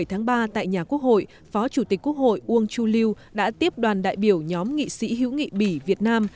một mươi tháng ba tại nhà quốc hội phó chủ tịch quốc hội uông chu lưu đã tiếp đoàn đại biểu nhóm nghị sĩ hữu nghị bỉ việt nam